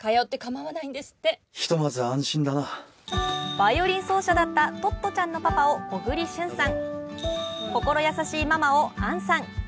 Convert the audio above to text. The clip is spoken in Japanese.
バイオリン奏者だったトットちゃんのパパを小栗旬さん、心優しいママを杏さん。